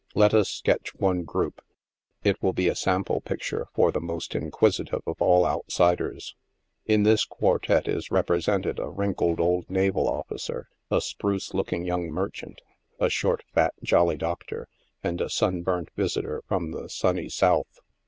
Let us sketch one group — it will be a sample picture for the most inquisitive of all outsiders. In this quartet is represented a wrin kled old naval officer, a spruce looking young merchant, a short, fat, jolly doctor, and a sunburnt visitor from the sunny South.